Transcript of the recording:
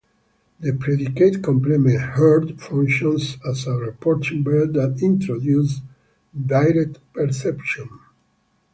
The predicate complement "heard" functions as a reporting verb that introduces direct perception.